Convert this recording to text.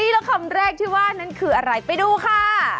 แล้วคำแรกที่ว่านั้นคืออะไรไปดูค่ะ